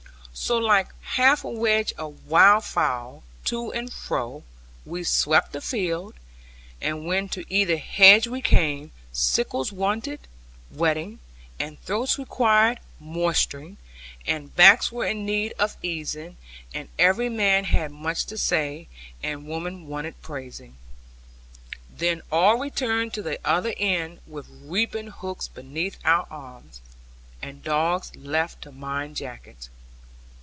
So like half a wedge of wildfowl, to and fro we swept the field; and when to either hedge we came, sickles wanted whetting, and throats required moistening, and backs were in need of easing, and every man had much to say, and women wanted praising. Then all returned to the other end, with reaping hooks beneath our arms, and dogs left to mind jackets.